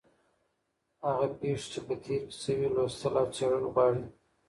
هغه پېښې چي په تېر کي سوې، لوستل او څېړل غواړي.